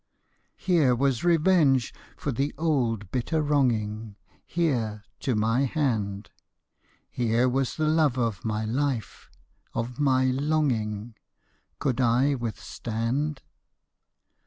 Here was revenge for the old bitter wronging, Here to my hand ; Here was the love of my hfe — of my longing, Could I withstand